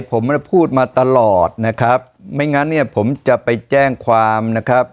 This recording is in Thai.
ผมพูดมาตลอดนะครับไม่งั้นเนี่ยผมจะไปแจ้งความนะครับ